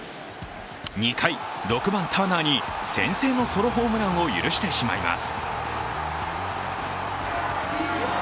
２回、６番・ターナーに先制のソロホームランを許してしまいます。